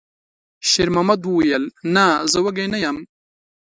شېرمحمد وویل: «نه، زه وږی نه یم.»